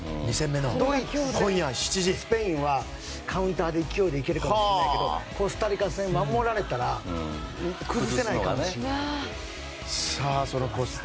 ドイツとスペインはカウンターで勢いで行けるかもしれないけどコスタリカ戦は守られたら崩せないかもしれないって。